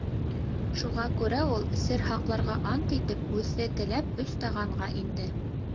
Шуға күрә ул, сер һаҡларға ант итеп, үҙе теләп «Өс таған»ға инде.